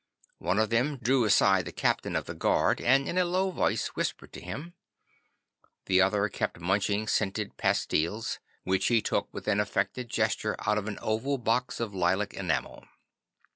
One of them drew aside the captain of the guard, and in a low voice whispered to him. The other kept munching scented pastilles, which he took with an affected gesture out of an oval box of lilac enamel.